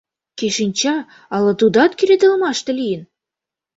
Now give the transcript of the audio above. Кӧ шинча, ала тудат кредалмаште лийын?